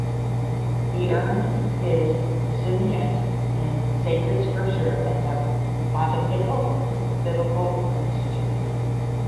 He earned his Licentiate in Sacred Scripture at the Pontifical Biblical Institute.